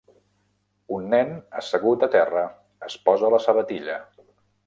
Un nen assegut a terra es posa la sabatilla.